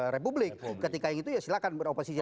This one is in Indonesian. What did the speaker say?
republik ketika itu ya silahkan beroposisi